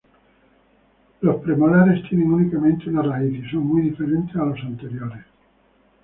Los premolares tienen únicamente una raíz y son muy diferentes a los anteriores.